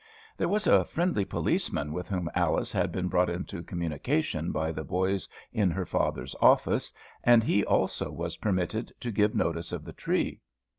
There was a friendly policeman with whom Alice had been brought into communication by the boys in her father's office, and he also was permitted to give notice of the tree.